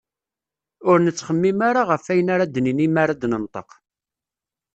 Ur nettxemmim ara ɣef wayen ara d-nini mi ara d-nenṭeq.